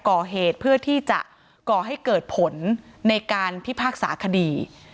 เพื่อที่จะก่อให้เกิดผลในการพิพากษาคดี